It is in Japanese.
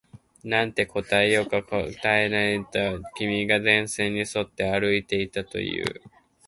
なんて答えようか考えていると、君が電線に沿って歩いていたと言う